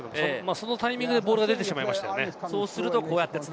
そのタイミングでボールが出てしまいましたね。